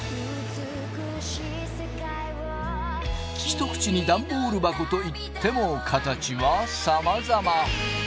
一口にダンボール箱といっても形はさまざま。